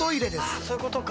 あっそういうことか。